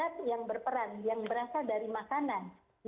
ada yang berperan yang berasal dari makanan